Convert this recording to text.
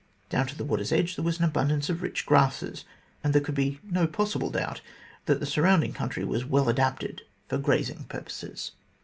Down to the water's edge there was an abundance of rich grasses, and there could be no possible doubt that the surrounding country was well adapted for grazing purposes.